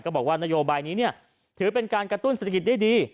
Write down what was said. บอกว่านโยบายนี้ถือเป็นการกระตุ้นเศรษฐกิจได้ดี